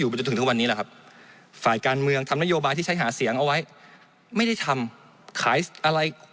ไปจนถึงทุกวันนี้แหละครับฝ่ายการเมืองทำนโยบายที่ใช้หาเสียงเอาไว้ไม่ได้ทำขายอะไร